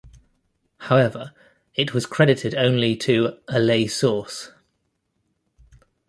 However, it was credited only to a "lay source".